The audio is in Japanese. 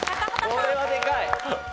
これはでかい！